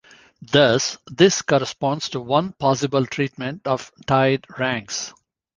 Thus this corresponds to one possible treatment of tied ranks.